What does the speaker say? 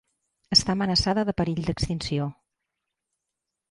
Està amenaçada de perill d'extinció.